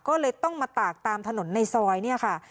ก็เลยต้องมาตากตามถนนในซอยเนี่ยค่ะ